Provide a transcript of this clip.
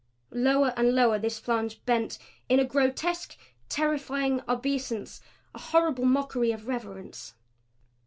Lower and lower this flange bent in a grotesque, terrifying obeisance; a horrible mockery of reverence.